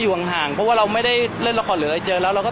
ห่างเพราะว่าเราไม่ได้เล่นละครหรืออะไรเจอแล้วเราก็